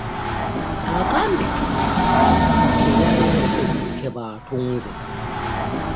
Akambe ke ke yaleese ke batunze.